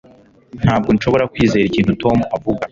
Ntabwo nshobora kwizera ikintu Tom avuga